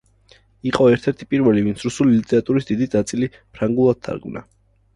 იყო ერთ-ერთი პირველი, ვინც რუსული ლიტერატურის დიდი ნაწილი ფრანგულად თარგმნა.